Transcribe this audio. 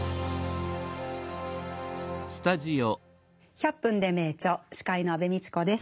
「１００分ｄｅ名著」司会の安部みちこです。